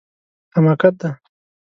حماقت دی